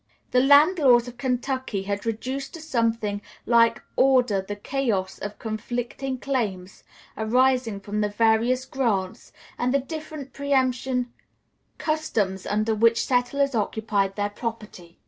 The land laws of Kentucky had reduced to something like order the chaos of conflicting claims arising from the various grants and the different preemption customs under which settlers occupied their property.